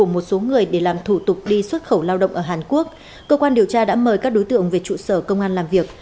một số người để làm thủ tục đi xuất khẩu lao động ở hàn quốc cơ quan điều tra đã mời các đối tượng về trụ sở công an làm việc